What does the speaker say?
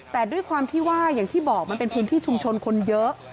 แต่ด้วยความที่ว่าอย่างที่บอกมันเป็นพื้นที่ชุมชนคนเยอะ